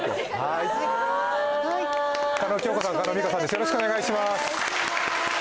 よろしくお願いします